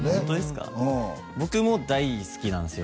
僕も大好きなんですよ